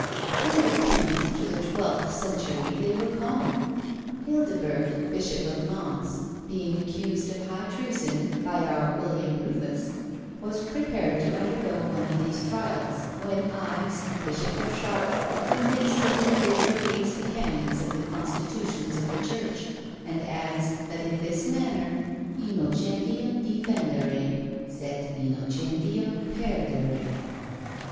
From the tenth to the twelfth century they were common. Hildebert, bishop of Mans, being accused of high treason by our William Rufus, was prepared to undergo one of these trials, when Ives, bishop of Chartres, convinced him that they were against the canons of the constitutions of the church, and adds, that in this manner Innocentiam defendere, set innocentiam perdere.